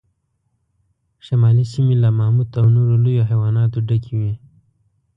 شمالي سیمې له ماموت او نورو لویو حیواناتو ډکې وې.